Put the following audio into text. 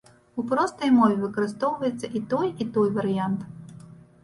У простай мове выкарыстоўваецца і той, і той варыянт.